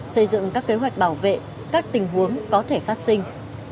xây dựng các kế hoạch bảo vệ các tình huống có thể phát sinh